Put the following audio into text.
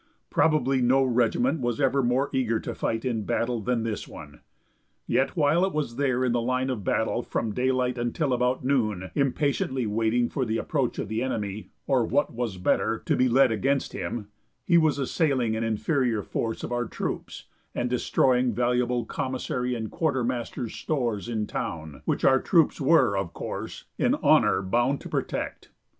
Probably no regiment was ever more eager to fight in battle than this one. Yet while it was there in line of battle from daylight until about noon, impatiently waiting for the approach of the enemy, or what was better, to be led against him, he was assailing an inferior force of our troops, and destroying valuable commissary and quartermaster's stores in town, which our troops were, of course, in honor bound to protect.